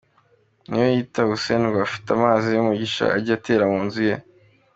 Niyoyita Hussen ngo afite amazi y’umugisha ajya atera mu nzu ye .